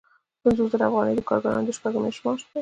پنځوس زره افغانۍ د کارګرانو د شپږو میاشتو معاش دی